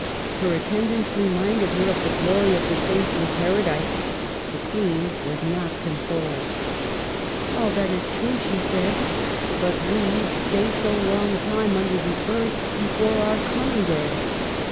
Her attendants reminded her of the glory of the saints in Paradise. The Queen was not consoled. " All that is true !" she said, " but we stay so long a time under the earth before our coming there